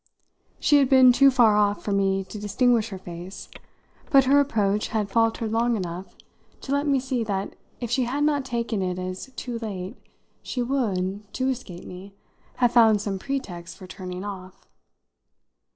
She had been too far off for me to distinguish her face, but her approach had faltered long enough to let me see that if she had not taken it as too late she would, to escape me, have found some pretext for turning off.